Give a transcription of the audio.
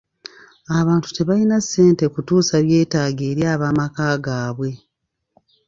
Abantu tebalina ssente kutuusa byetaago eri ab'amaka gaabwe.